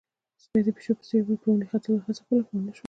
سپي د پيشو په څېر په ونې د ختلو هڅه کوله، خو ونه شول.